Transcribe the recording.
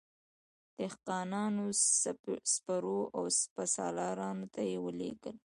دهقانانو، سپرو او سپه سالارانو ته یې ولیکل.